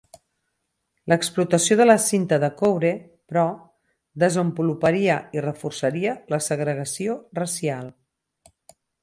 L'explotació de la cinta de coure, però, desenvoluparia i reforçaria la segregació racial.